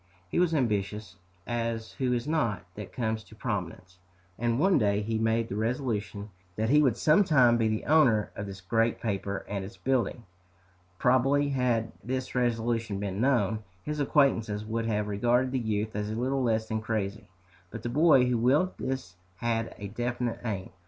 He was ambitious, as who is not, that comes to prominence; and one day he made the resolution that he would sometime be the owner of this great paper and its building! Probably had this resolution been known, his acquaintances would have regarded the youth as little less than crazy. But the boy who willed this had a definite aim.